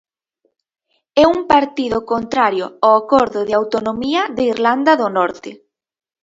É un partido contrario ao acordo de autonomía de Irlanda do Norte.